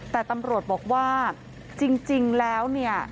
แต่ตำรวจบอกว่าจริงแล้วเนี่ย